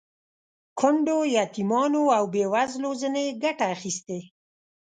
کونډو، یتیمانو او بې وزلو ځنې ګټه اخیستې.